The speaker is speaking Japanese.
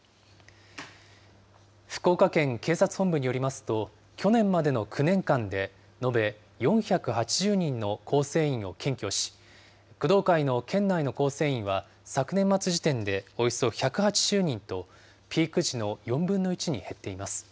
福岡県警察本部によりますと、去年までの９年間で、延べ４８０人の構成員を検挙し、工藤会の県内の構成員は昨年末時点でおよそ１８０人と、ピーク時の４分の１に減っています。